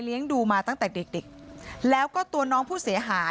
พี่น้องของผู้เสียหายแล้วเสร็จแล้วมีการของผู้เสียหาย